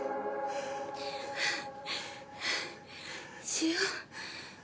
しよう。